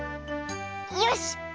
よし！